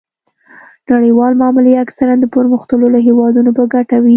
نړیوالې معاملې اکثراً د پرمختللو هیوادونو په ګټه وي